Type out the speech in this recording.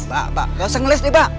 mbak mbak nggak usah ngeles nih mbak